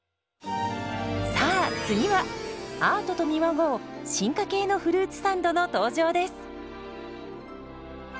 さあ次はアートと見まごう進化系のフルーツサンドの登場です。